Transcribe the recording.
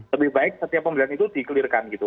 lebih baik setiap pembelian itu dikelirkan gitu